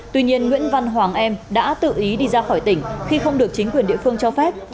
tuy nhiên nguyễn văn hoàng em đã tự ý đi ra khỏi tỉnh khi không được chính quyền địa phương cho phép